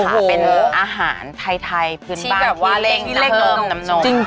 โอ้โหเป็นอาหารไทยผืนบ้านที่อาดเทอมน้ำนมที่แบบวาเร้งที่เล็กนม